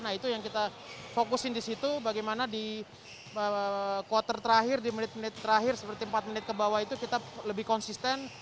nah itu yang kita fokusin di situ bagaimana di quarter terakhir di menit menit terakhir seperti empat menit ke bawah itu kita lebih konsisten